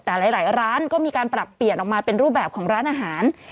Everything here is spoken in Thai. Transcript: แต่หลายร้านก็มีการปรับเปลี่ยนออกมาเป็นรูปแบบของร้านอาหาร